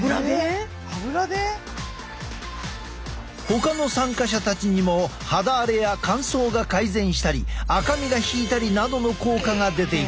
ほかの参加者たちにも肌荒れや乾燥が改善したり赤みが引いたりなどの効果が出ていた。